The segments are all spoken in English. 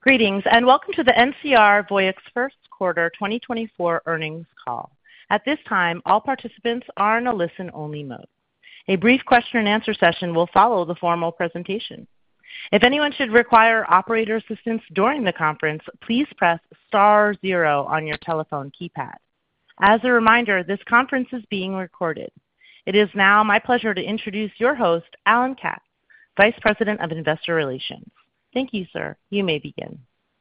Greetings, and welcome to the NCR Voyix Q1 2024 Earnings Call. At this time, all participants are in a listen-only mode. A brief question-and-answer session will follow the formal presentation. If anyone should require operator assistance during the conference, please press star zero on your telephone keypad. As a reminder, this conference is being recorded. It is now my pleasure to introduce your host, Alan Katz, Vice President of Investor Relations. Thank you, sir. You may begin.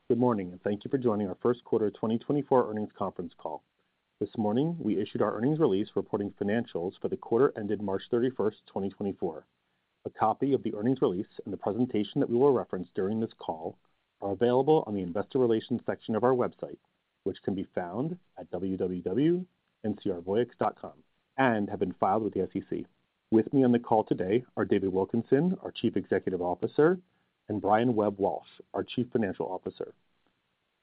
Good morning, and thank you for joining our Q1 2024 earnings conference call. This morning, we issued our earnings release reporting financials for the quarter ended 31 March 2024. A copy of the earnings release and the presentation that we will reference during this call are available on the investor relations section of our website, which can be found at www.ncrvoyix.com, and have been filed with the SEC. With me on the call today are David Wilkinson, our Chief Executive Officer, and Brian Webb-Walsh, our Chief Financial Officer.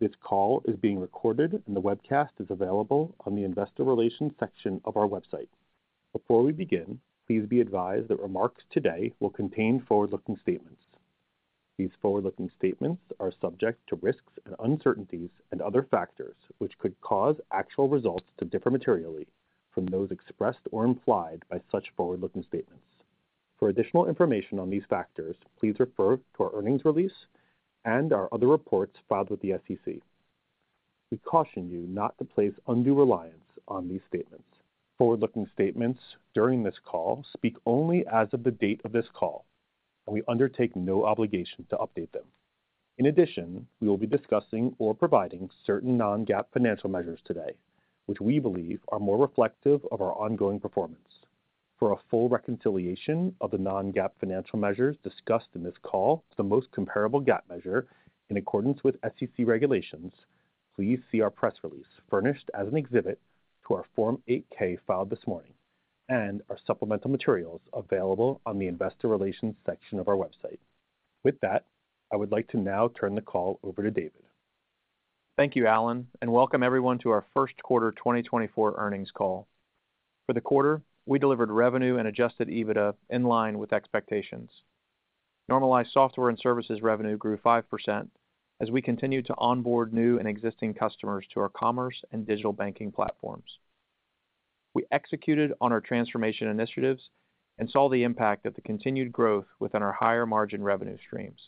This call is being recorded, and the webcast is available on the investor relations section of our website. Before we begin, please be advised that remarks today will contain forward-looking statements. These forward-looking statements are subject to risks and uncertainties and other factors, which could cause actual results to differ materially from those expressed or implied by such forward-looking statements. For additional information on these factors, please refer to our earnings release and our other reports filed with the SEC. We caution you not to place undue reliance on these statements. Forward-looking statements during this call speak only as of the date of this call, and we undertake no obligation to update them. In addition, we will be discussing or providing certain non-GAAP financial measures today, which we believe are more reflective of our ongoing performance. For a full reconciliation of the non-GAAP financial measures discussed in this call to the most comparable GAAP measure, in accordance with SEC regulations, please see our press release, furnished as an exhibit to our Form 8-K filed this morning, and our supplemental materials available on the investor relations section of our website. With that, I would like to now turn the call over to David. Thank you, Alan, and welcome everyone to our Q1 2024 earnings call. For the quarter, we delivered revenue and adjusted EBITDA in line with expectations. Normalized software and services revenue grew 5% as we continued to onboard new and existing customers to our commerce and digital banking platforms. We executed on our transformation initiatives and saw the impact of the continued growth within our higher-margin revenue streams.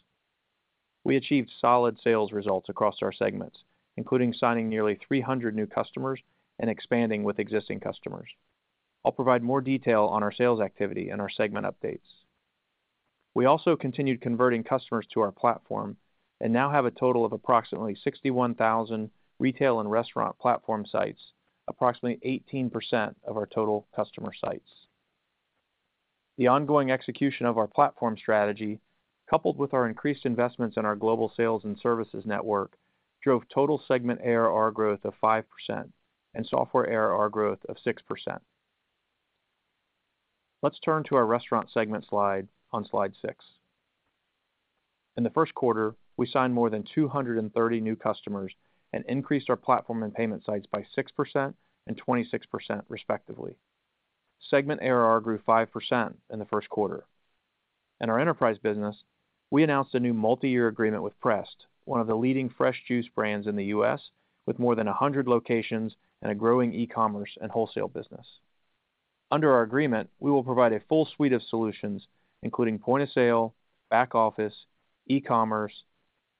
We achieved solid sales results across our segments, including signing nearly 300 new customers and expanding with existing customers. I'll provide more detail on our sales activity and our segment updates. We also continued converting customers to our platform and now have a total of approximately 61,000 retail and restaurant platform sites, approximately 18% of our total customer sites. The ongoing execution of our platform strategy, coupled with our increased investments in our global sales and services network, drove total segment ARR growth of 5% and software ARR growth of 6%. Let's turn to our restaurant segment slide on slide 6. In the Q1, we signed more than 230 new customers and increased our platform and payment sites by 6% and 26%, respectively. Segment ARR grew 5% in the Q1. In our enterprise business, we announced a new multi-year agreement with Pressed, one of the leading fresh juice brands in the U.S., with more than 100 locations and a growing e-commerce and wholesale business. Under our agreement, we will provide a full suite of solutions, including point-of-sale, back-office, e-commerce,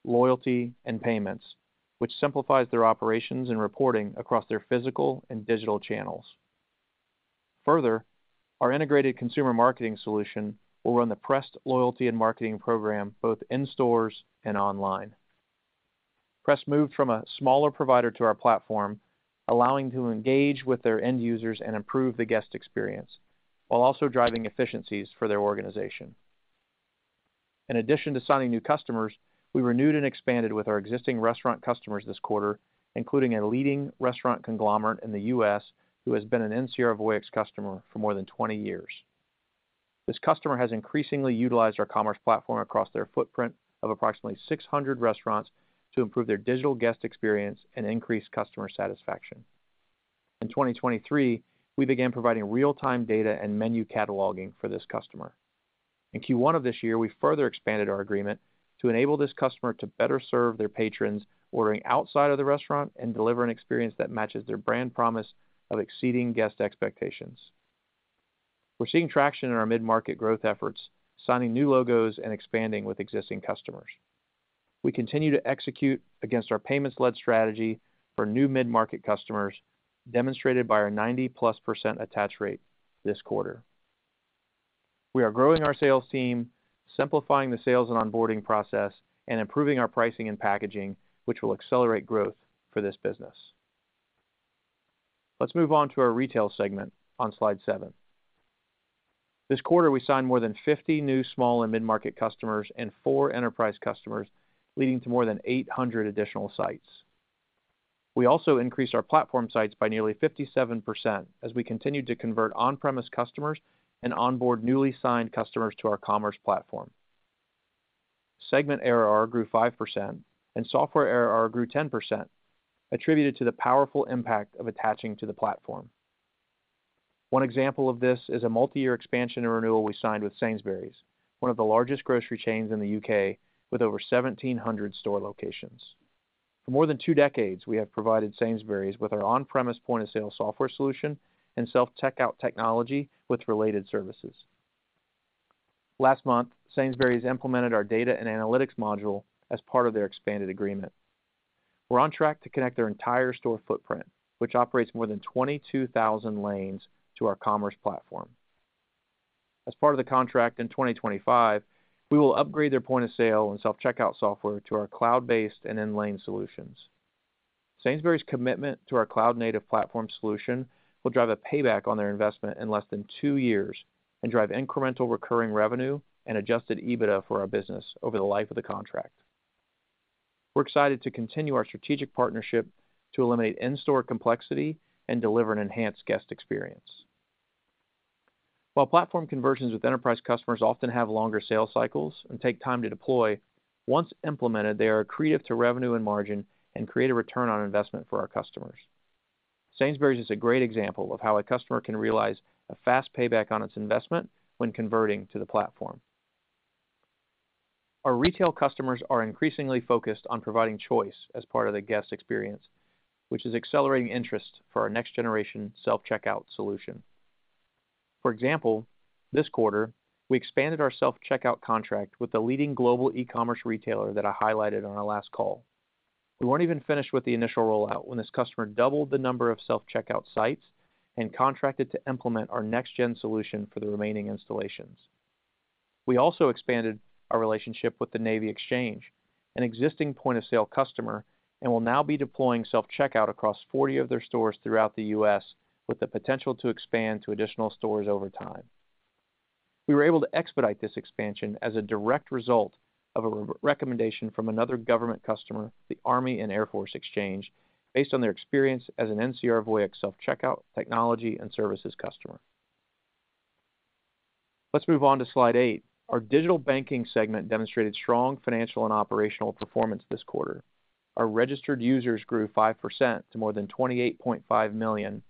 loyalty, and payments, which simplifies their operations and reporting across their physical and digital channels. Further, our integrated consumer marketing solution will run the Pressed loyalty and marketing program, both in stores and online. Pressed moved from a smaller provider to our platform, allowing to engage with their end users and improve the guest experience, while also driving efficiencies for their organization. In addition to signing new customers, we renewed and expanded with our existing restaurant customers this quarter, including a leading restaurant conglomerate in the U.S., who has been an NCR Voyix customer for more than 20 years. This customer has increasingly utilized our commerce platform across their footprint of approximately 600 restaurants to improve their digital guest experience and increase customer satisfaction. In 2023, we began providing real-time data and menu cataloging for this customer. In Q1 of this year, we further expanded our agreement to enable this customer to better serve their patrons ordering outside of the restaurant and deliver an experience that matches their brand promise of exceeding guest expectations. We're seeing traction in our mid-market growth efforts, signing new logos and expanding with existing customers. We continue to execute against our payments-led strategy for new mid-market customers, demonstrated by our 90%+ attach rate this quarter. We are growing our sales team, simplifying the sales and onboarding process, and improving our pricing and packaging, which will accelerate growth for this business. Let's move on to our retail segment on slide 7. This quarter, we signed more than 50 new small and mid-market customers and four enterprise customers, leading to more than 800 additional sites. We also increased our platform sites by nearly 57% as we continued to convert on-premise customers and onboard newly signed customers to our commerce platform. Segment ARR grew 5%, and software ARR grew 10%, attributed to the powerful impact of attaching to the platform. One example of this is a multiyear expansion and renewal we signed with Sainsbury's, one of the largest grocery chains in the U.K., with over 1,700 store locations. For more than two decades, we have provided Sainsbury's with our on-premise point-of-sale software solution and self-checkout technology with related services. Last month, Sainsbury's implemented our data and analytics module as part of their expanded agreement. We're on track to connect their entire store footprint, which operates more than 22,000 lanes, to our commerce platform. As part of the contract in 2025, we will upgrade their point of sale and self-checkout software to our cloud-based and in-lane solutions. Sainsbury's commitment to our cloud-native platform solution will drive a payback on their investment in less than two years and drive incremental recurring revenue and adjusted EBITDA for our business over the life of the contract. We're excited to continue our strategic partnership to eliminate in-store complexity and deliver an enhanced guest experience. While platform conversions with enterprise customers often have longer sales cycles and take time to deploy, once implemented, they are accretive to revenue and margin and create a return on investment for our customers. Sainsbury's is a great example of how a customer can realize a fast payback on its investment when converting to the platform. Our retail customers are increasingly focused on providing choice as part of the guest experience, which is accelerating interest for our next-generation self-checkout solution. For example, this quarter, we expanded our self-checkout contract with the leading global e-commerce retailer that I highlighted on our last call. We weren't even finished with the initial rollout when this customer doubled the number of self-checkout sites and contracted to implement our next-gen solution for the remaining installations. We also expanded our relationship with the Navy Exchange, an existing point-of-sale customer, and will now be deploying self-checkout across 40 of their stores throughout the U.S., with the potential to expand to additional stores over time. We were able to expedite this expansion as a direct result of a recommendation from another government customer, the Army and Air Force Exchange, based on their experience as an NCR Voyix self-checkout technology and services customer. Let's move on to Slide 8. Our digital banking segment demonstrated strong financial and operational performance this quarter. Our registered users grew 5% to more than 28.5 million,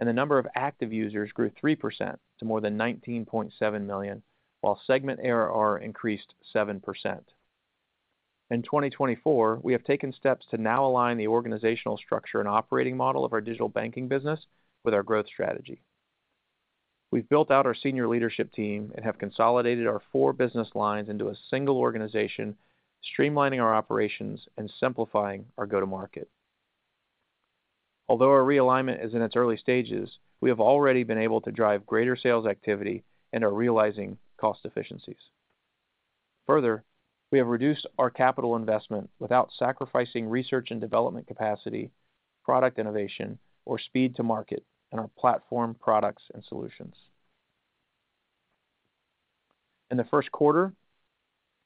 and the number of active users grew 3% to more than 19.7 million, while segment ARR increased 7%. In 2024, we have taken steps to now align the organizational structure and operating model of our digital banking business with our growth strategy. We've built out our senior leadership team and have consolidated our four business lines into a single organization, streamlining our operations and simplifying our go-to-market. Although our realignment is in its early stages, we have already been able to drive greater sales activity and are realizing cost efficiencies. Further, we have reduced our capital investment without sacrificing research and development capacity, product innovation, or speed to market in our platform, products, and solutions. In the Q1,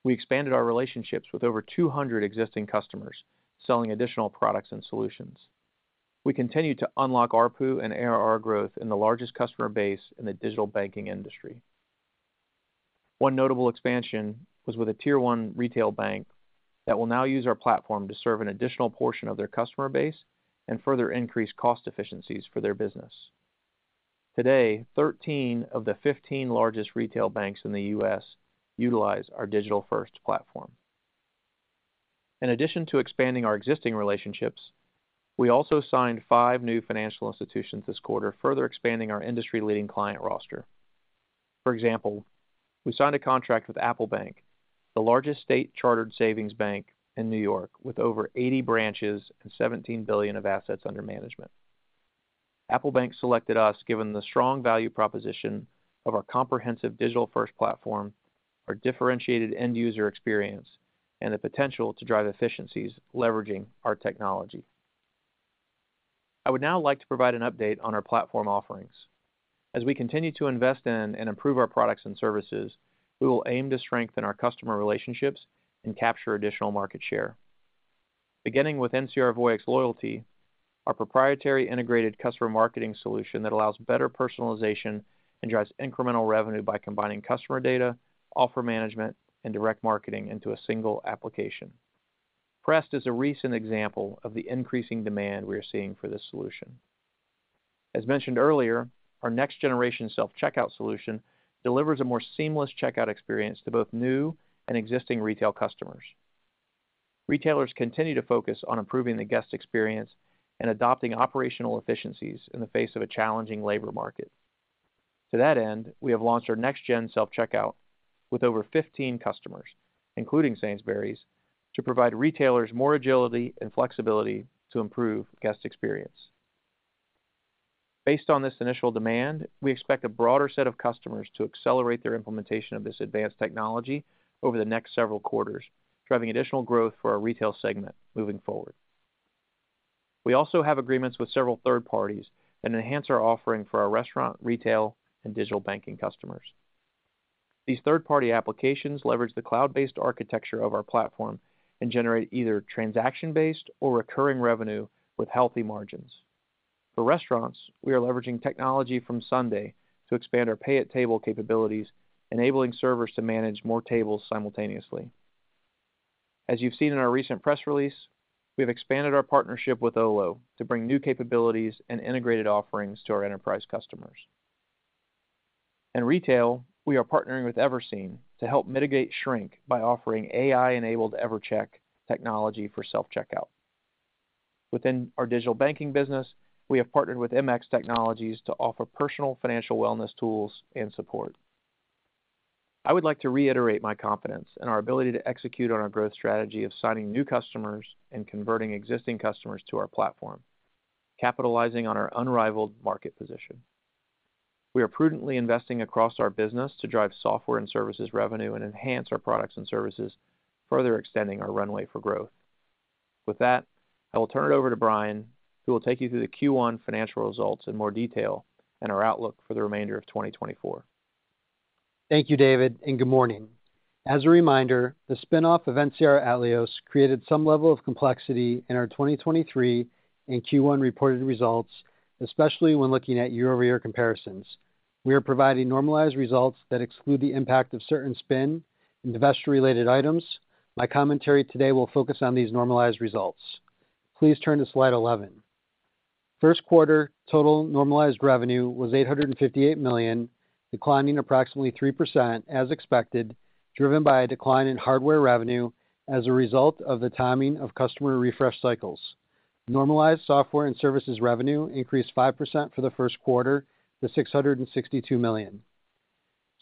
we expanded our relationships with over 200 existing customers, selling additional products and solutions. We continued to unlock ARPU and ARR growth in the largest customer base in the digital banking industry. One notable expansion was with a Tier 1 retail bank that will now use our platform to serve an additional portion of their customer base and further increase cost efficiencies for their business. Today, 13 of the 15 largest retail banks in the U.S. utilize our digital-first platform. In addition to expanding our existing relationships, we also signed five new financial institutions this quarter, further expanding our industry-leading client roster. For example, we signed a contract with Apple Bank, the largest state-chartered savings bank in New York, with over 80 branches and $17 billion of assets under management. Apple Bank selected us given the strong value proposition of our comprehensive digital-first platform, our differentiated end-user experience, and the potential to drive efficiencies leveraging our technology. I would now like to provide an update on our platform offerings. As we continue to invest in and improve our products and services, we will aim to strengthen our customer relationships and capture additional market share. Beginning with NCR Voyix Loyalty, our proprietary integrated customer marketing solution that allows better personalization and drives incremental revenue by combining customer data, offer management, and direct marketing into a single application. Pressed is a recent example of the increasing demand we are seeing for this solution. As mentioned earlier, our next-generation self-checkout solution delivers a more seamless checkout experience to both new and existing retail customers. Retailers continue to focus on improving the guest experience and adopting operational efficiencies in the face of a challenging labor market. To that end, we have launched our next-gen self-checkout with over 15 customers, including Sainsbury's, to provide retailers more agility and flexibility to improve guest experience. Based on this initial demand, we expect a broader set of customers to accelerate their implementation of this advanced technology over the next several quarters, driving additional growth for our retail segment moving forward. We also have agreements with several third parties that enhance our offering for our restaurant, retail, and digital banking customers. These third-party applications leverage the cloud-based architecture of our platform and generate either transaction-based or recurring revenue with healthy margins. For restaurants, we are leveraging technology from Sunday to expand our pay-at-table capabilities, enabling servers to manage more tables simultaneously. As you've seen in our recent press release, we have expanded our partnership with Olo to bring new capabilities and integrated offerings to our enterprise customers. In retail, we are partnering with Everseen to help mitigate shrink by offering AI-enabled EverCheck technology for self-checkout. Within our digital banking business, we have partnered with MX Technologies to offer personal financial wellness tools and support. I would like to reiterate my confidence in our ability to execute on our growth strategy of signing new customers and converting existing customers to our platform, capitalizing on our unrivaled market position. We are prudently investing across our business to drive software and services revenue and enhance our products and services, further extending our runway for growth. With that, I will turn it over to Brian, who will take you through the Q1 financial results in more detail and our outlook for the remainder of 2024. Thank you, David, and good morning. As a reminder, the spin-off of NCR Atleos created some level of complexity in our 2023 and Q1 reported results, especially when looking at year-over-year comparisons. We are providing normalized results that exclude the impact of certain spin and divestiture-related items. My commentary today will focus on these normalized results. Please turn to slide 11. Q1 total normalized revenue was $858 million, declining approximately 3% as expected, driven by a decline in hardware revenue as a result of the timing of customer refresh cycles. Normalized software and services revenue increased 5% for the Q1 to $662 million.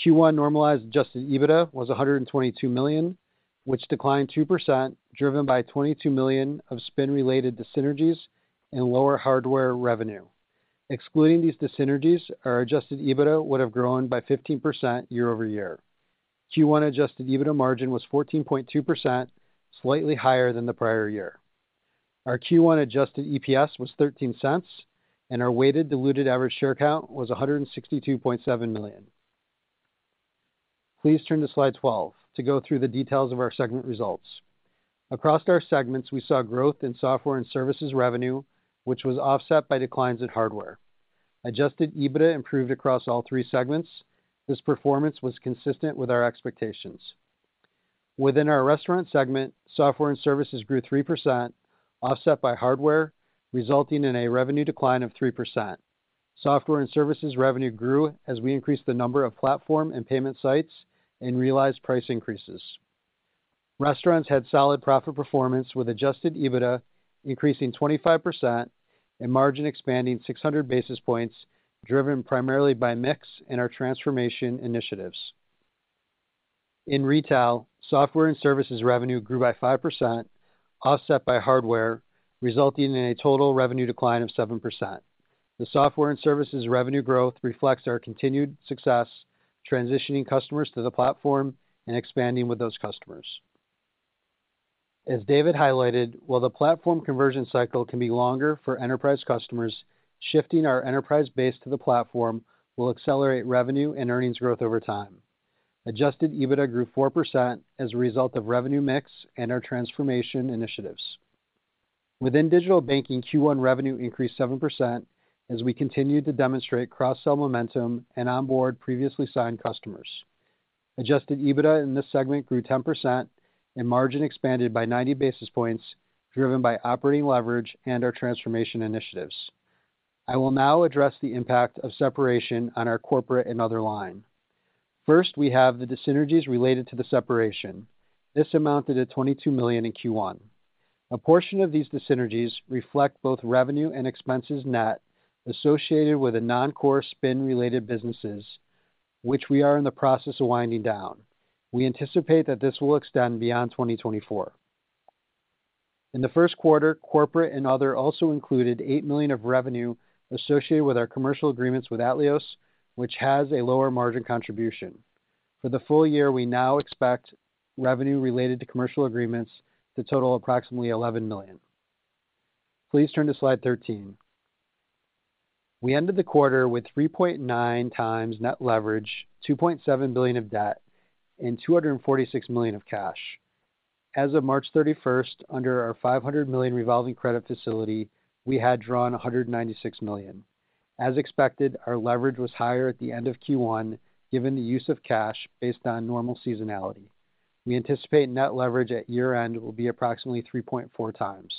Q1 normalized adjusted EBITDA was $122 million, which declined 2%, driven by $22 million of spin-related dyssynergies and lower hardware revenue. Excluding these dyssynergies, our adjusted EBITDA would have grown by 15% year-over-year. Q1 adjusted EBITDA margin was 14.2%, slightly higher than the prior year. Our Q1 adjusted EPS was $0.13, and our weighted diluted average share count was $162.7 million. Please turn to slide 12 to go through the details of our segment results. Across our segments, we saw growth in software and services revenue, which was offset by declines in hardware. Adjusted EBITDA improved across all three segments. This performance was consistent with our expectations. Within our restaurant segment, software and services grew 3%, offset by hardware, resulting in a revenue decline of 3%. Software and services revenue grew as we increased the number of platform and payment sites and realized price increases. Restaurants had solid profit performance, with Adjusted EBITDA increasing 25% and margin expanding 600 basis points, driven primarily by mix and our transformation initiatives. In retail, software and services revenue grew by 5%, offset by hardware, resulting in a total revenue decline of 7%. The software and services revenue growth reflects our continued success transitioning customers to the platform and expanding with those customers. As David highlighted, while the platform conversion cycle can be longer for enterprise customers, shifting our enterprise base to the platform will accelerate revenue and earnings growth over time. Adjusted EBITDA grew 4% as a result of revenue mix and our transformation initiatives. Within digital banking, Q1 revenue increased 7% as we continued to demonstrate cross-sell momentum and onboard previously signed customers. Adjusted EBITDA in this segment grew 10%, and margin expanded by 90 basis points, driven by operating leverage and our transformation initiatives. I will now address the impact of separation on our corporate and other line. First, we have the dyssynergies related to the separation. This amounted to $22 million in Q1. A portion of these dyssynergies reflect both revenue and expenses net associated with the non-core spin-related businesses, which we are in the process of winding down. We anticipate that this will extend beyond 2024. In the Q1, corporate and other also included $8 million of revenue associated with our commercial agreements with Atleos, which has a lower margin contribution. For the full year, we now expect revenue related to commercial agreements to total approximately $11 million. Please turn to slide 13. We ended the quarter with 3.9 times net leverage, $2.7 billion of debt, and $246 million of cash. As of 31 March, under our $500 million revolving credit facility, we had drawn $196 million. As expected, our leverage was higher at the end of Q1, given the use of cash based on normal seasonality. We anticipate net leverage at year-end will be approximately 3.4 times.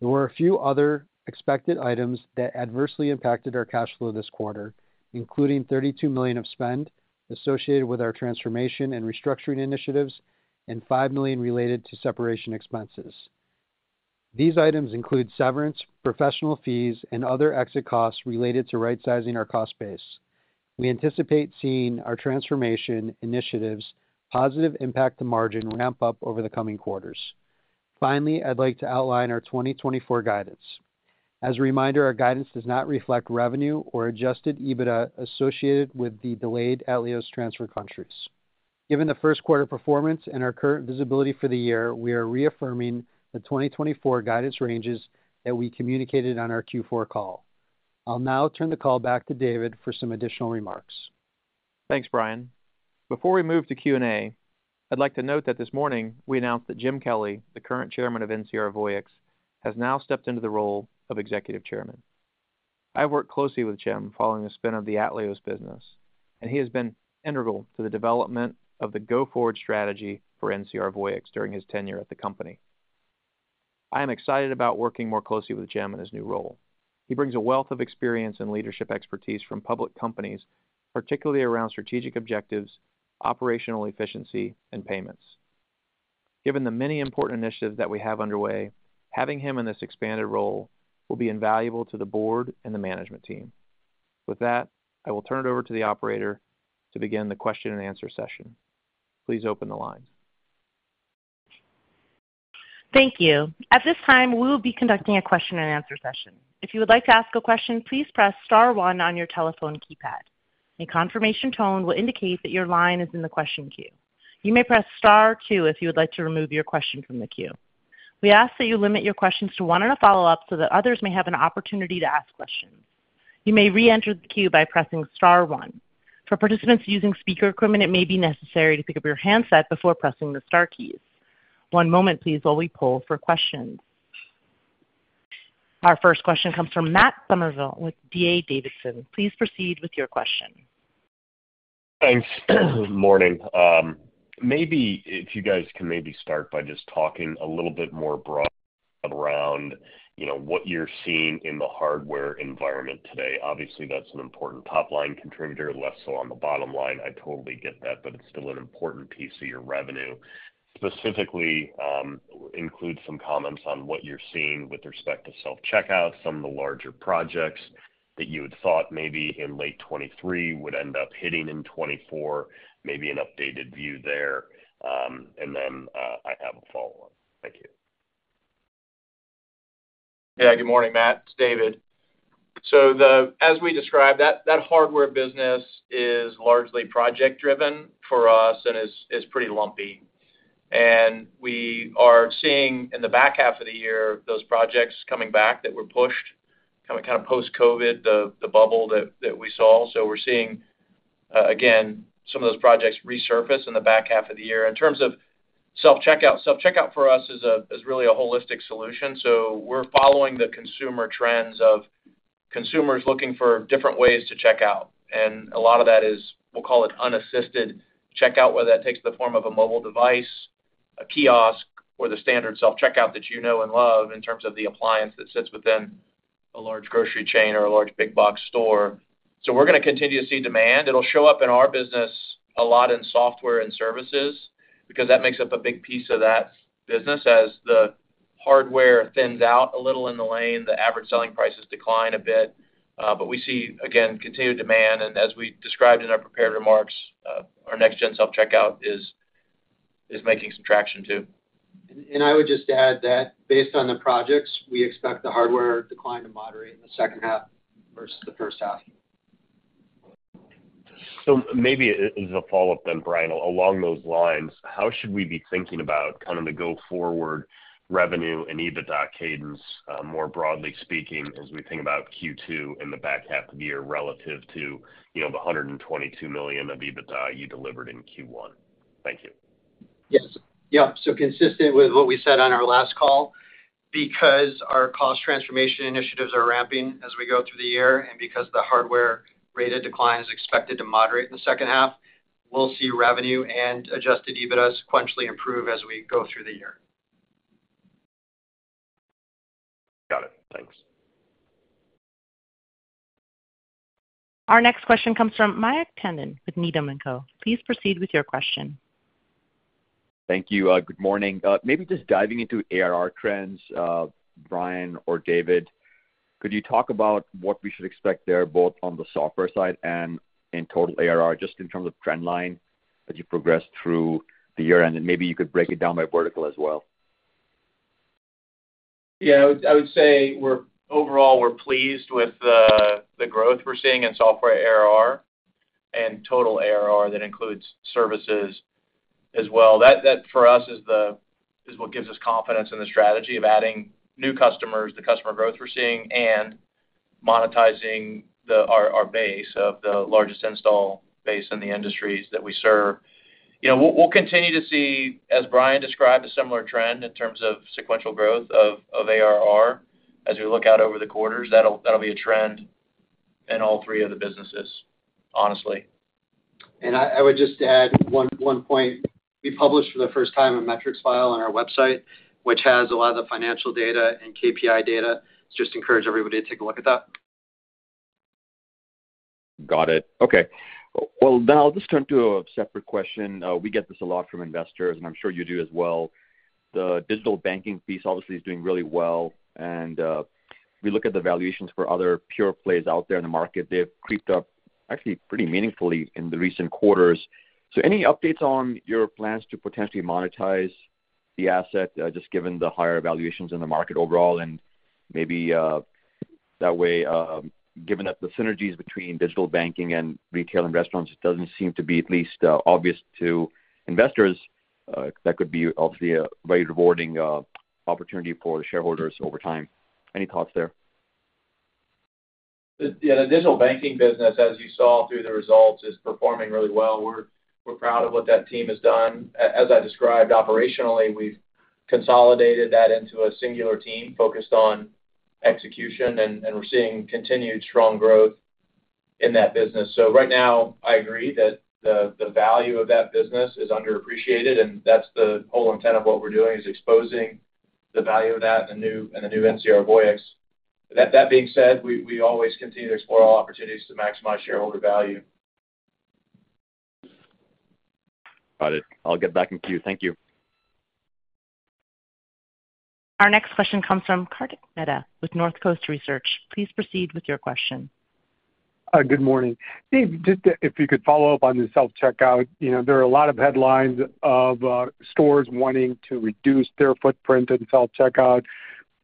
There were a few other expected items that adversely impacted our cash flow this quarter, including $32 million of spend associated with our transformation and restructuring initiatives and $5 million related to separation expenses. These items include severance, professional fees, and other exit costs related to rightsizing our cost base. We anticipate seeing our transformation initiatives' positive impact to margin ramp up over the coming quarters. Finally, I'd like to outline our 2024 guidance. As a reminder, our guidance does not reflect revenue or adjusted EBITDA associated with the delayed Atleos transfer countries. Given the Q1 performance and our current visibility for the year, we are reaffirming the 2024 guidance ranges that we communicated on our Q4 call. I'll now turn the call back to David for some additional remarks. Thanks, Brian. Before we move to Q&A, I'd like to note that this morning we announced that Jim Kelly, the current Chairman of NCR Voyix, has now stepped into the role of Executive Chairman. I've worked closely with Jim following the spin of the Atleos business, and he has been integral to the development of the go-forward strategy for NCR Voyix during his tenure at the company. I am excited about working more closely with Jim in his new role. He brings a wealth of experience and leadership expertise from public companies, particularly around strategic objectives, operational efficiency, and payments. Given the many important initiatives that we have underway, having him in this expanded role will be invaluable to the board and the management team. With that, I will turn it over to the operator to begin the question-and-answer session. Please open the lines. Thank you. At this time, we will be conducting a question-and-answer session. If you would like to ask a question, please press star one on your telephone keypad. A confirmation tone will indicate that your line is in the question queue. You may press star two if you would like to remove your question from the queue. We ask that you limit your questions to one and a follow-up so that others may have an opportunity to ask questions. You may reenter the queue by pressing star one. For participants using speaker equipment, it may be necessary to pick up your handset before pressing the star keys. One moment, please, while we poll for questions. Our first question comes from Matt Summerville with D.A. Davidson. Please proceed with your question. Thanks. Good morning. Maybe if you guys can maybe start by just talking a little bit more broad around, you know, what you're seeing in the hardware environment today. Obviously, that's an important top-line contributor, less so on the bottom line. I totally get that, but it's still an important piece of your revenue. Specifically, include some comments on what you're seeing with respect to self-checkout, some of the larger projects that you had thought maybe in late 2023 would end up hitting in 2024, maybe an updated view there, and then I have a follow-up. Thank you. Yeah. Good morning, Matt. It's David. So the, as we described, that hardware business is largely project-driven for us and is pretty lumpy. And we are seeing in the back half of the year, those projects coming back that were pushed, coming kind of post-COVID, the bubble that we saw. So we're seeing again, some of those projects resurface in the back half of the year. In terms of self-checkout, self-checkout for us is really a holistic solution. So we're following the consumer trends of consumers looking for different ways to check out, and a lot of that is, we'll call it, unassisted checkout, whether that takes the form of a mobile device, a kiosk, or the standard self-checkout that you know and love in terms of the appliance that sits within a large grocery chain or a large big box store. So we're gonna continue to see demand. It'll show up in our business, a lot in software and services, because that makes up a big piece of that business. As the hardware thins out a little in the lane, the average selling prices decline a bit, but we see, again, continued demand. And as we described in our prepared remarks, our next-gen self-checkout is making some traction, too. I would just add that based on the projects, we expect the hardware decline to moderate in the H2 versus the H1. So maybe as a follow-up then, Brian, along those lines, how should we be thinking about kind of the go-forward revenue and EBITDA cadence, more broadly speaking, as we think about Q2 in the back half of the year relative to, you know, the $122 million of EBITDA you delivered in Q1? Thank you. Yes. Yeah, so consistent with what we said on our last call, because our cost transformation initiatives are ramping as we go through the year, and because the hardware rate of decline is expected to moderate in the H2, we'll see revenue and adjusted EBITDA sequentially improve as we go through the year. Got it. Thanks. Our next question comes from Mayank Tandon with Needham & Co. Please proceed with your question. Thank you. Good morning. Maybe just diving into ARR trends, Brian or David, could you talk about what we should expect there, both on the software side and in total ARR, just in terms of trend line as you progress through the year? And then maybe you could break it down by vertical as well. Yeah, I would say we're overall pleased with the growth we're seeing in software ARR and total ARR. That includes services as well. That, for us, is what gives us confidence in the strategy of adding new customers, the customer growth we're seeing, and monetizing our base of the largest install base in the industries that we serve. You know, we'll continue to see, as Brian described, a similar trend in terms of sequential growth of ARR as we look out over the quarters. That'll be a trend in all three of the businesses, honestly. I would just add one point. We published for the first time a metrics file on our website, which has a lot of the financial data and KPI data. Just encourage everybody to take a look at that. Got it. Okay. Well, then I'll just turn to a separate question. We get this a lot from investors, and I'm sure you do as well. The digital banking piece obviously is doing really well, and we look at the valuations for other pure plays out there in the market, they've creeped up actually pretty meaningfully in the recent quarters. So any updates on your plans to potentially monetize the asset, just given the higher valuations in the market overall? And maybe that way, given that the synergies between digital banking and retail and restaurants, it doesn't seem to be at least obvious to investors that could be obviously a very rewarding opportunity for shareholders over time. Any thoughts there? Yeah, the digital banking business, as you saw through the results, is performing really well. We're proud of what that team has done. As I described, operationally, we've consolidated that into a singular team focused on execution, and we're seeing continued strong growth in that business. So right now, I agree that the value of that business is underappreciated, and that's the whole intent of what we're doing, is exposing the value of that in the new NCR Voyix. That being said, we always continue to explore all opportunities to maximize shareholder value. Got it. I'll get back in queue. Thank you. Our next question comes from Kartik Mehta with Northcoast Research. Please proceed with your question. Good morning. Dave, just if you could follow up on the self-checkout. You know, there are a lot of headlines of stores wanting to reduce their footprint in self-checkout.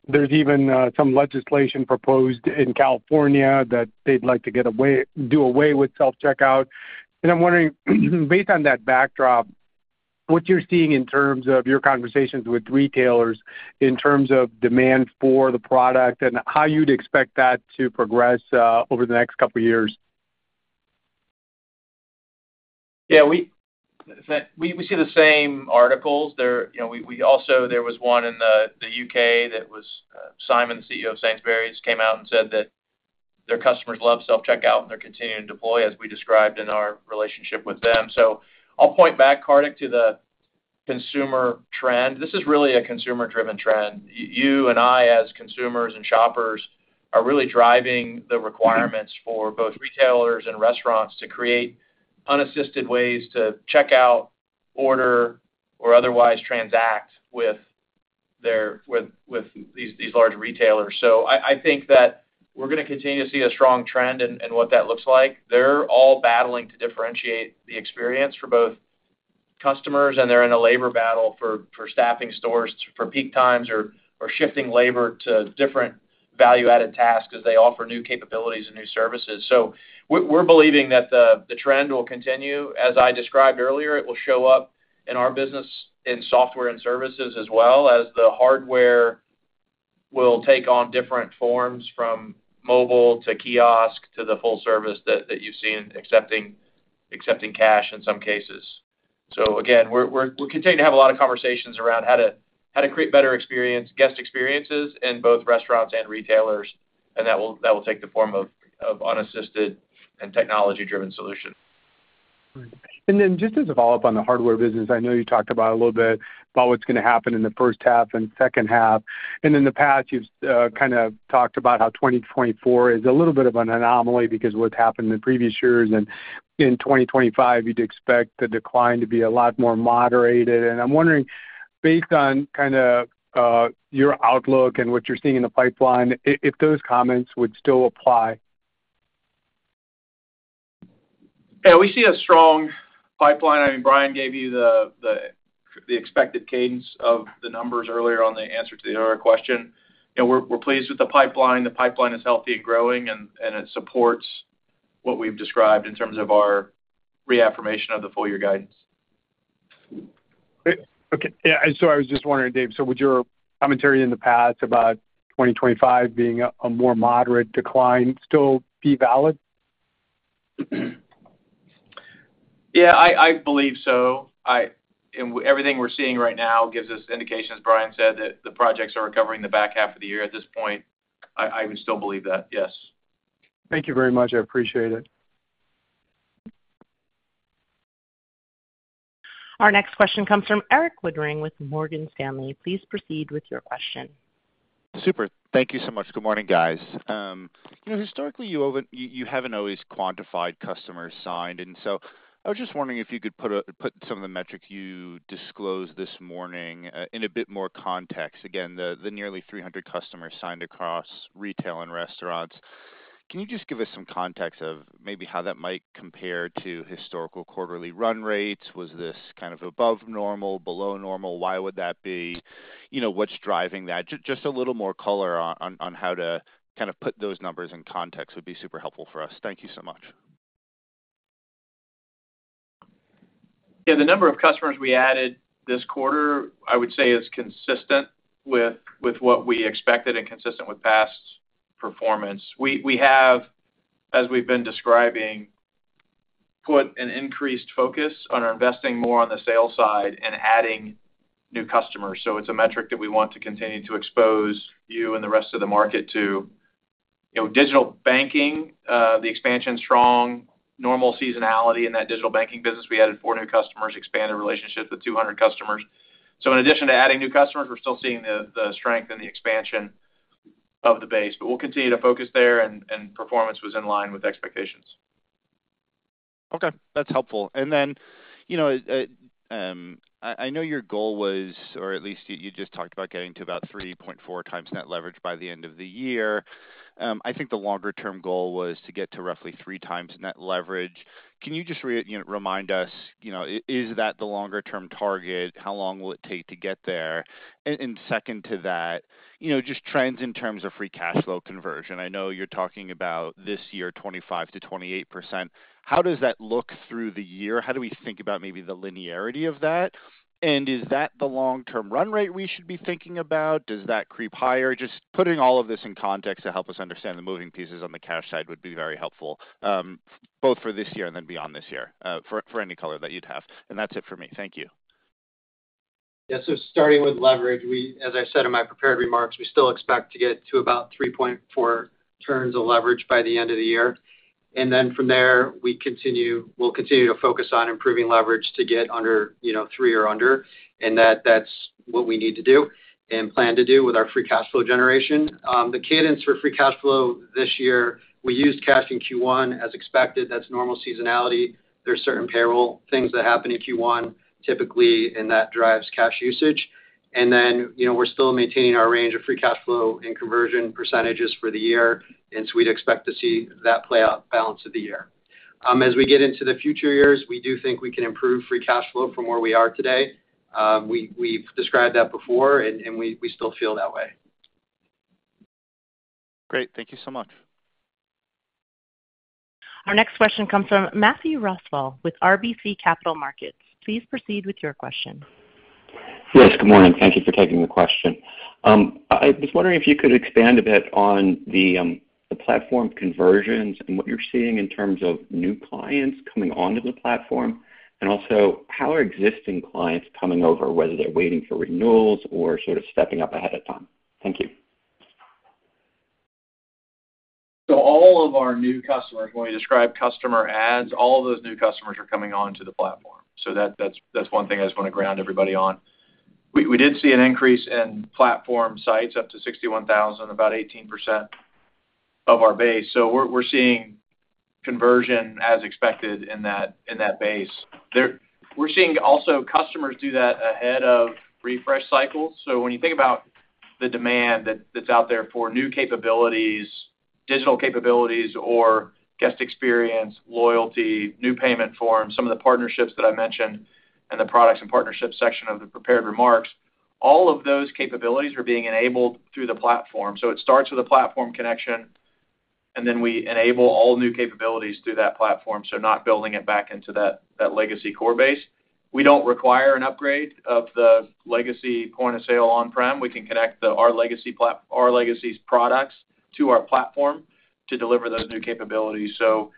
There's even some legislation proposed in California that they'd like to get away, do away with self-checkout. And I'm wondering, based on that backdrop, what you're seeing in terms of your conversations with retailers, in terms of demand for the product and how you'd expect that to progress over the next couple of years? Yeah, we see the same articles. You know, we also. There was one in the U.K. that was Simon, CEO of Sainsbury's, came out and said that their customers love self-checkout, and they're continuing to deploy, as we described in our relationship with them. So I'll point back, Kartik, to the consumer trend. This is really a consumer-driven trend. You and I, as consumers and shoppers, are really driving the requirements for both retailers and restaurants to create unassisted ways to check out, order, or otherwise transact with these large retailers. So I think that we're gonna continue to see a strong trend in what that looks like. They're all battling to differentiate the experience for both customers, and they're in a labor battle for staffing stores for peak times or shifting labor to different value-added tasks as they offer new capabilities and new services. So we're believing that the trend will continue. As I described earlier, it will show up in our business in software and services, as well as the hardware will take on different forms from mobile to kiosk to the full service that you see in accepting cash in some cases. So again, we're continuing to have a lot of conversations around how to create better guest experiences in both restaurants and retailers, and that will take the form of unassisted and technology-driven solution. And then just to follow up on the hardware business, I know you talked about a little bit about what's gonna happen in the H1 and H2. And in the past, you've kind of talked about how 2024 is a little bit of an anomaly because of what's happened in the previous years. And in 2025, you'd expect the decline to be a lot more moderated. And I'm wondering, based on kind of your outlook and what you're seeing in the pipeline, if those comments would still apply? Yeah, we see a strong pipeline. I mean, Brian gave you the expected cadence of the numbers earlier on the answer to the other question. You know, we're pleased with the pipeline. The pipeline is healthy and growing, and it supports what we've described in terms of our reaffirmation of the full year guidance. Oka y. Yeah, so I was just wondering, Dave, so would your commentary in the past about 2025 being a more moderate decline still be valid? Yeah, I believe so. And everything we're seeing right now gives us indications, Brian said, that the projects are recovering the back half of the year. At this point, I would still believe that, yes. Thank you very much. I appreciate it. Our next question comes from Erik Woodring with Morgan Stanley. Please proceed with your question. Super. Thank you so much. Good morning, guys. You know, historically, you haven't always quantified customers signed, and so I was just wondering if you could put some of the metrics you disclosed this morning in a bit more context. Again, the nearly 300 customers signed across retail and restaurants. Can you just give us some context of maybe how that might compare to historical quarterly run rates? Was this kind of above normal, below normal? Why would that be? You know, what's driving that? Just a little more color on how to kind of put those numbers in context would be super helpful for us. Thank you so much. Yeah, the number of customers we added this quarter, I would say, is consistent with what we expected and consistent with past performance. We have, as we've been describing, put an increased focus on investing more on the sales side and adding new customers. So it's a metric that we want to continue to expose you and the rest of the market to. You know, digital banking, the expansion, strong, normal seasonality in that digital banking business. We added 4 new customers, expanded relationships with 200 customers. So in addition to adding new customers, we're still seeing the strength and the expansion of the base, but we'll continue to focus there, and performance was in line with expectations. Okay, that's helpful. And then, you know, I know your goal was, or at least you just talked about getting to about 3.4x net leverage by the end of the year. I think the longer-term goal was to get to roughly 3x net leverage. Can you just, you know, remind us, you know, is that the longer-term target? How long will it take to get there? And second to that, you know, just trends in terms of free cash flow conversion. I know you're talking about this year, 25%-28%. How does that look through the year? How do we think about maybe the linearity of that? And is that the long-term run rate we should be thinking about? Does that creep higher? Just putting all of this in context to help us understand the moving pieces on the cash side would be very helpful, both for this year and then beyond this year, for any color that you'd have. That's it for me. Thank you. Yes, so starting with leverage, we, as I said in my prepared remarks, we still expect to get to about 3.4 turns of leverage by the end of the year. And then from there, we'll continue to focus on improving leverage to get under, you know, three or under, and that's what we need to do and plan to do with our free cash flow generation. The cadence for free cash flow this year, we used cash in Q1 as expected. That's normal seasonality. There's certain payroll things that happen in Q1, typically, and that drives cash usage. And then, you know, we're still maintaining our range of free cash flow and conversion percentages for the year, and so we'd expect to see that play out balance of the year. As we get into the future years, we do think we can improve free cash flow from where we are today. We've described that before, and we still feel that way. Great. Thank you so much. Our next question comes from Matthew Roswell with RBC Capital Markets. Please proceed with your question. Yes, good morning. Thank you for taking the question. I was wondering if you could expand a bit on the, the platform conversions and what you're seeing in terms of new clients coming onto the platform, and also, how are existing clients coming over, whether they're waiting for renewals or sort of stepping up ahead of time? Thank you. So all of our new customers, when we describe customer adds, all of those new customers are coming onto the platform. So that's one thing I just want to ground everybody on. We did see an increase in platform sites up to 61,000, about 18% of our base. So we're seeing conversion as expected in that base. We're also seeing customers do that ahead of refresh cycles. So when you think about the demand that's out there for new capabilities, digital capabilities, or guest experience, loyalty, new payment forms, some of the partnerships that I mentioned in the products and partnerships section of the prepared remarks, all of those capabilities are being enabled through the platform. So it starts with a platform connection, and then we enable all new capabilities through that platform, so not building it back into that legacy core base. We don't require an upgrade of the legacy point-of-sale on Prem. We can connect our legacy products to our platform to deliver those new capabilities. So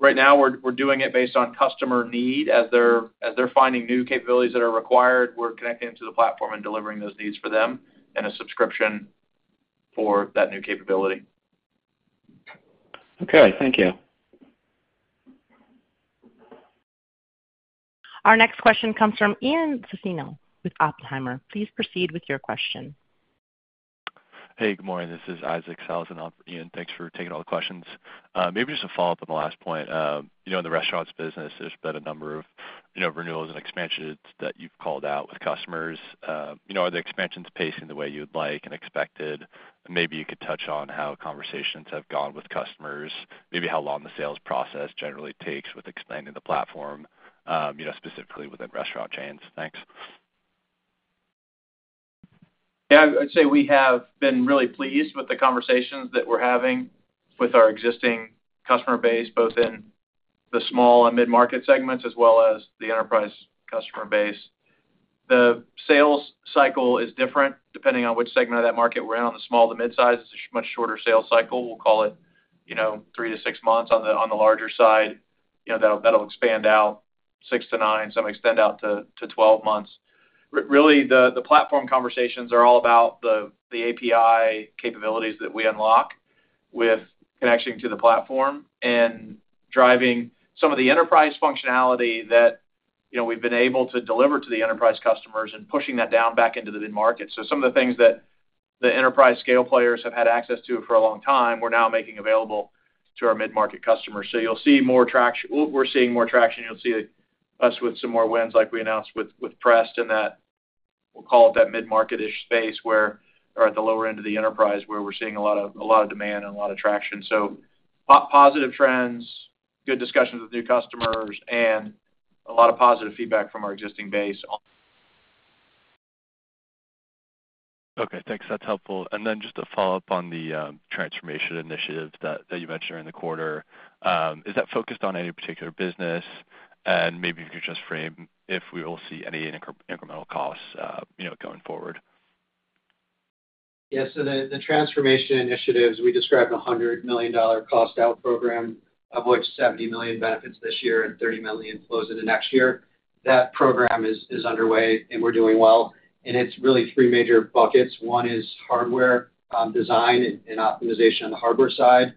right now, we're doing it based on customer need. As they're finding new capabilities that are required, we're connecting them to the platform and delivering those needs for them, and a subscription for that new capability. Okay. Thank you. Our next question comes from Ian Zaffino with Oppenheimer. Please proceed with your question. Hey, good morning. This is Isaac Sellhausen on for Ian Zaffino. Thanks for taking all the questions. Maybe just a follow-up on the last point. You know, in the restaurants business, there's been a number of, you know, renewals and expansions that you've called out with customers. You know, are the expansions pacing the way you'd like and expected? Maybe you could touch on how conversations have gone with customers, maybe how long the sales process generally takes with expanding the platform, you know, specifically within restaurant chains. Thanks. Yeah, I'd say we have been really pleased with the conversations that we're having with our existing customer base, both in the small and mid-market segments, as well as the enterprise customer base. The sales cycle is different, depending on which segment of that market we're in. On the small to mid-size, it's much shorter sales cycle. We'll call it, you know, three to six months. On the larger side, you know, that'll expand out six to nine, some extend out to 12 months. Really, the platform conversations are all about the API capabilities that we unlock with connecting to the platform and driving some of the enterprise functionality that, you know, we've been able to deliver to the enterprise customers and pushing that down back into the mid-market. So some of the things that the enterprise scale players have had access to for a long time, we're now making available to our mid-market customers. So you'll see more traction. We're seeing more traction. You'll see us with some more wins, like we announced with Pressed in that, we'll call it that mid-market-ish space, where or at the lower end of the enterprise, where we're seeing a lot of, a lot of demand and a lot of traction. So positive trends, good discussions with new customers, and a lot of positive feedback from our existing base on. Okay, thanks. That's helpful. And then just a follow-up on the transformation initiatives that you mentioned during the quarter. Is that focused on any particular business? And maybe you could just frame if we will see any incremental costs, you know, going forward. Yes, so the transformation initiatives we described a $100 million cost out program, of which $70 million benefits this year and $30 million flows into next year. That program is underway, and we're doing well, and it's really three major buckets. One is hardware design and optimization on the hardware side.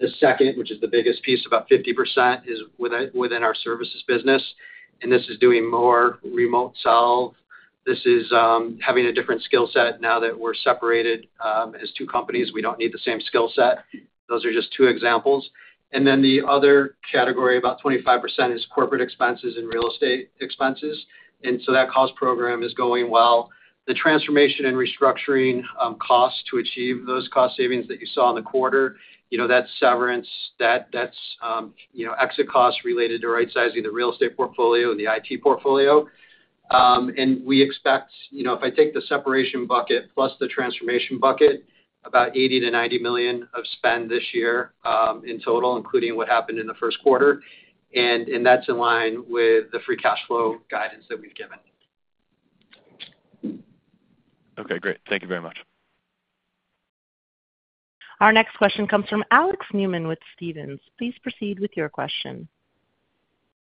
The second, which is the biggest piece, about 50%, is within our services business, and this is doing more remote sell. This is having a different skill set. Now that we're separated as two companies, we don't need the same skill set. Those are just two examples. And then the other category, about 25%, is corporate expenses and real estate expenses. And so that cost program is going well. The transformation and restructuring costs to achieve those cost savings that you saw in the quarter, you know, that's severance, you know, exit costs related to rightsizing the real estate portfolio and the IT portfolio. And we expect, you know, if I take the separation bucket plus the transformation bucket, about $80-$90 million of spend this year, in total, including what happened in the Q1, and that's in line with the free cash flow guidance that we've given. Okay, great. Thank you very much. Our next question comes from Alex Neuman with Stephens. Please proceed with your question.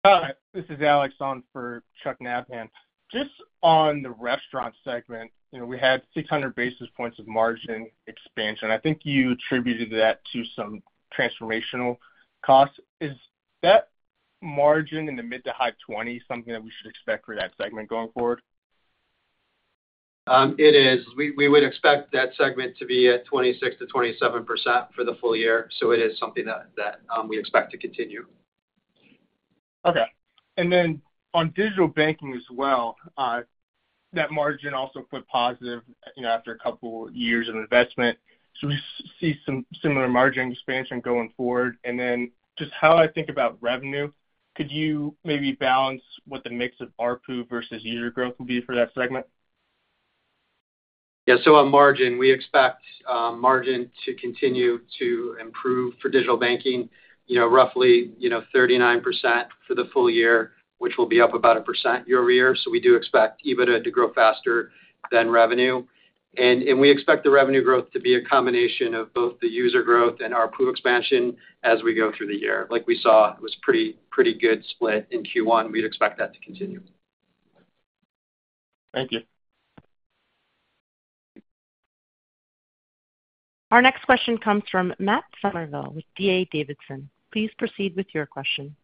Hi, this is Alex on for Charles Nabhan. Just on the restaurant segment, you know, we had 600 basis points of margin expansion. I think you attributed that to some transformational costs. Is that margin in the mid-to-high 20s that we should expect for that segment going forward? It is. We would expect that segment to be at 26%-27% for the full year, so it is something that we expect to continue. Okay. And then on digital banking as well, that margin also turned positive, you know, after a couple years of investment. So we see some similar margin expansion going forward. Then just how I think about revenue, could you maybe balance what the mix of ARPU versus user growth will be for that segment? Yeah, so on margin, we expect margin to continue to improve for digital banking, you know, roughly, you know, 39% for the full year, which will be up about 1% year-over-year. So we do expect EBITDA to grow faster than revenue. And we expect the revenue growth to be a combination of both the user growth and our ARPU expansion as we go through the year. Like we saw, it was pretty, pretty good split in Q1. We'd expect that to continue. Thank you. Our next question comes from Matt Summerville with D.A. Davidson. Please proceed with your question.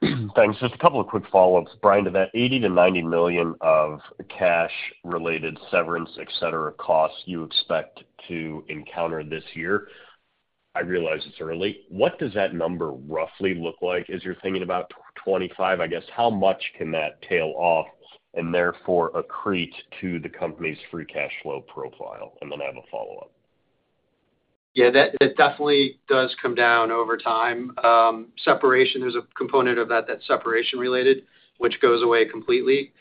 Thanks. Just a couple of quick follow-ups, Brian, to that $80 million-$90 million of cash-related severance, et cetera, costs you expect to encounter this year. I realize it's early. What does that number roughly look like as you're thinking about 2025? I guess, how much can that tail off and therefore accrete to the company's free cash flow profile? And then I have a follow-up. Yeah, that definitely does come down over time. Separation is a component of that, that's separation-related, which goes away completely.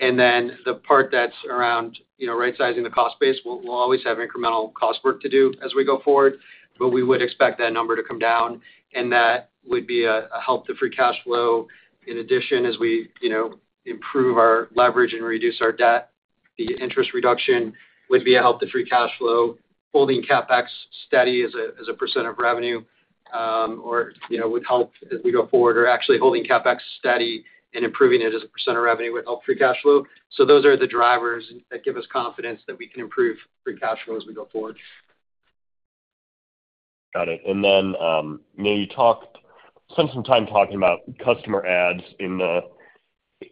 And then the part that's around, you know, rightsizing the cost base, we'll always have incremental cost work to do as we go forward, but we would expect that number to come down, and that would be a help to free cash flow. In addition, as we, you know, improve our leverage and reduce our debt, the interest reduction would be a help to free cash flow. Holding CapEx steady as a percent of revenue, or, you know, would help as we go forward, or actually holding CapEx steady and improving it as a percent of revenue would help free cash flow. So those are the drivers that give us confidence that we can improve free cash flow as we go forward. Got it. And then, you know, you talked and spent some time talking about customer ads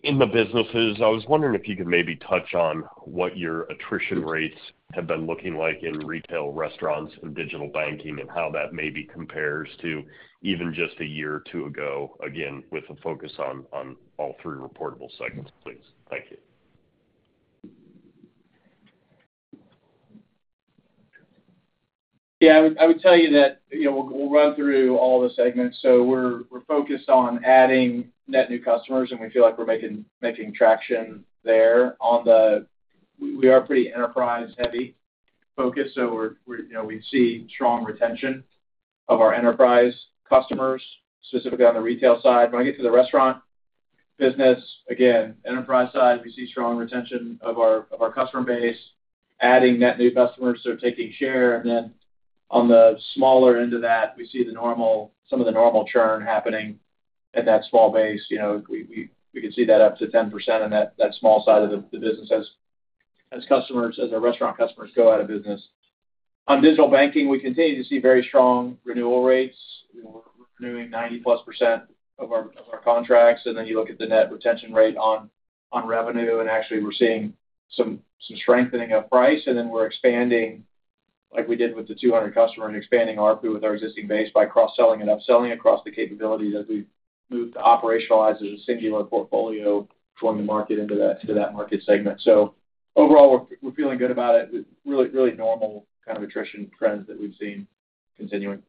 in the businesses. I was wondering if you could maybe touch on what your attrition rates have been looking like in retail, restaurants, and digital banking, and how that maybe compares to even just a year or two ago, again, with a focus on all three reportable segments, please. Thank you. Yeah, I would, I would tell you that, you know, we'll, we'll run through all the segments. So we're, we're focused on adding net new customers, and we feel like we're making, making traction there. On the, we, we are pretty enterprise-heavy focused, so we're, we're, you know, we see strong retention of our enterprise customers, specifically on the retail side. When I get to the restaurant business, again, enterprise side, we see strong retention of our, of our customer base, adding net new customers, so taking share. And then on the smaller end of that, we see the normal, some of the normal churn happening at that small base. You know, we, we, we could see that up to 10% on that, that small side of the, the business as, as customers, as our restaurant customers go out of business. On digital banking, we continue to see very strong renewal rates. We're renewing 90%+ of our, of our contracts, and then you look at the net retention rate on, on revenue, and actually we're seeing some, some strengthening of price, and then we're expanding, like we did with the 200 customer, and expanding ARPU with our existing base by cross-selling and upselling across the capabilities as we've moved to operationalize as a singular portfolio from the market into that, to that market segment. So overall, we're, we're feeling good about it. Really, really normal kind of attrition trends that we've seen continuing.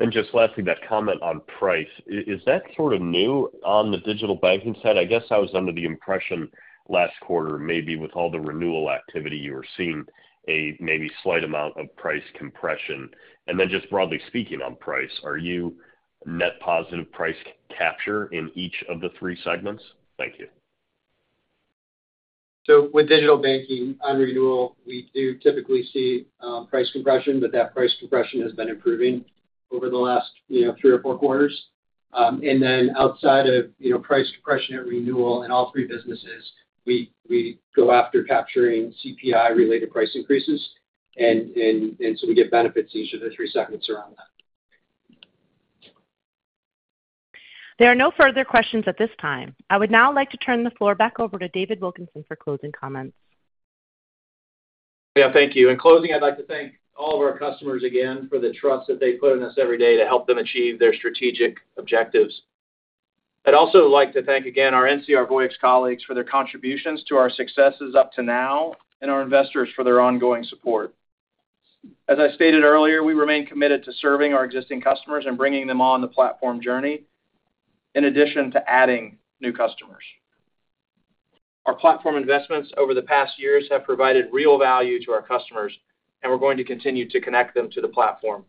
And just lastly, that comment on price. Is that sort of new on the digital banking side? I guess I was under the impression last quarter, maybe with all the renewal activity, you were seeing a maybe slight amount of price compression. And then just broadly speaking on price, are you net positive price capture in each of the three segments? Thank you. So with digital banking, on renewal, we do typically see price compression, but that price compression has been improving over the last, you know, Q3 or Q4. And then outside of, you know, price compression at renewal in all three businesses, we go after capturing CPI-related price increases, and so we get benefits in each of the three segments around that. There are no further questions at this time. I would now like to turn the floor back over to David Wilkinson for closing comments. Yeah, thank you. In closing, I'd like to thank all of our customers again for the trust that they put in us every day to help them achieve their strategic objectives. I'd also like to thank again our NCR Voyix colleagues for their contributions to our successes up to now and our investors for their ongoing support. As I stated earlier, we remain committed to serving our existing customers and bringing them on the platform journey, in addition to adding new customers. Our platform investments over the past years have provided real value to our customers, and we're going to continue to connect them to the platform.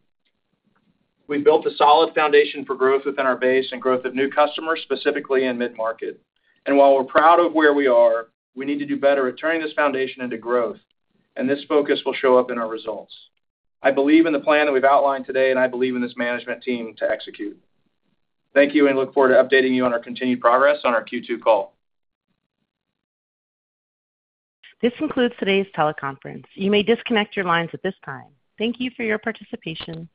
We've built a solid foundation for growth within our base and growth of new customers, specifically in mid-market. While we're proud of where we are, we need to do better at turning this foundation into growth, and this focus will show up in our results. I believe in the plan that we've outlined today, and I believe in this management team to execute. Thank you, and look forward to updating you on our continued progress on our Q2 call. This concludes today's teleconference. You may disconnect your lines at this time. Thank you for your participation.